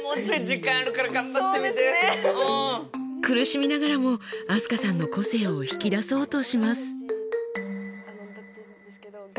苦しみながらも飛鳥さんの個性を引き出そうとします。